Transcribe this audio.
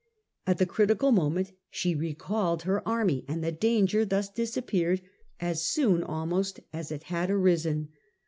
At the critical moment she recalled her army, and the danger thus disappeared as soon almost as it had arisen.